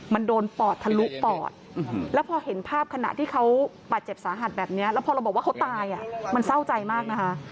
มันเศร้าใจมากนะคะ